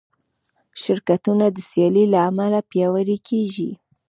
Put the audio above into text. شرکتونه د سیالۍ له امله پیاوړي کېږي.